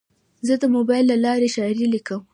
زه د موبایل له لارې شاعري لیکم.